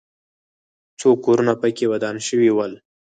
څو کورونه پکې ودان شوي ول.